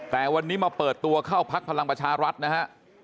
แต่วันนี้มาเปิดตัวเข้าพักพลังประชารัฐนะฮะ